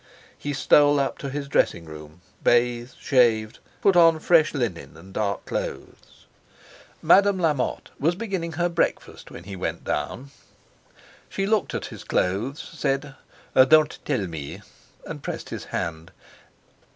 He stole up to his dressing room, bathed, shaved, put on fresh linen and dark clothes. Madame Lamotte was beginning her breakfast when he went down. She looked at his clothes, said, "Don't tell me!" and pressed his hand.